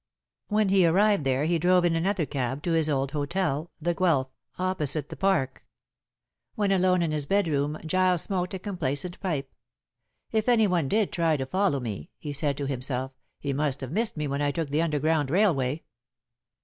When he arrived there he drove in another cab to his old hotel, "The Guelph," opposite the Park. When alone in his bedroom Giles smoked a complacent pipe. "If any one did try to follow me," he said to himself, "he must have missed me when I took the underground railway."